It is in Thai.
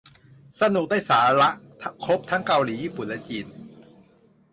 สนุกได้สาระ ครบทั้งเกาหลี ญี่ปุ่น และจีน